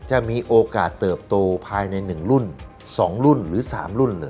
จะมีโอกาสเติบโตภายใน๑รุ่น๒รุ่นหรือ๓รุ่นเลย